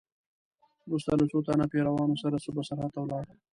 وروسته له څو تنو پیروانو سره صوبه سرحد ته ولاړ.